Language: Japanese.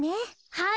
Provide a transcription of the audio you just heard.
はい。